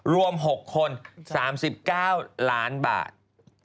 รวม๖คน๓๙ล้านบาท